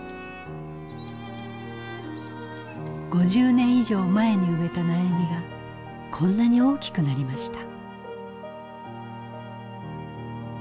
５０年以上前に植えた苗木がこんなに大きくなりました。